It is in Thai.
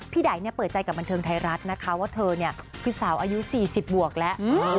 ไดเปิดใจกับบันเทิงไทยรัฐนะคะว่าเธอคือสาวอายุ๔๐บวกแล้ว